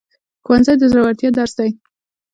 ښوونځی د زړورتیا درس دی